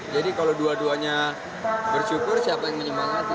jadi kalau dua duanya bersyukur siapa yang menyemangati